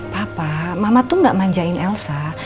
papa mama tuh gak manjain elsa